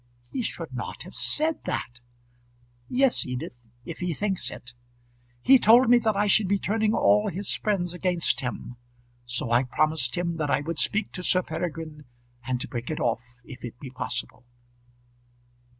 "He should not have said that." "Yes, Edith, if he thinks it. He told me that I should be turning all his friends against him. So I promised him that I would speak to Sir Peregrine, and break it off if it be possible."